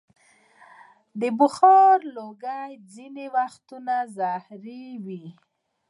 د بخارۍ لوګی ځینې وختونه زهري وي.